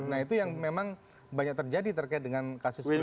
nah itu yang memang banyak terjadi terkait dengan kasus ini